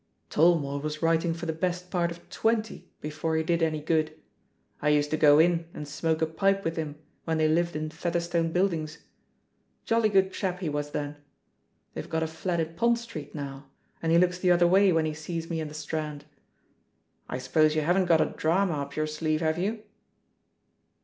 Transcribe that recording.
"Tolmore was writing for the best part of twenty before he did any good. I used to go in and smoke a pipe with him when they lived in Featherstone Buildings. Jolly good chap he was then. They've got a flat in Pont Street now, and he looks the other way when he sees me in the Strand. I suppose you haven't got a drama up your sleeve, have you?"